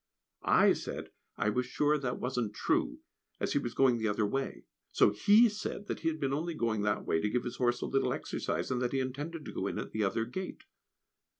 I said I was sure that wasn't true, as he was going the other way. So he said that he had only been going that way to give his horse a little exercise, and that he intended to go in at the other gate.